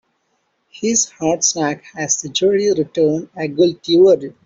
His heart sank as the jury returned a guilty verdict.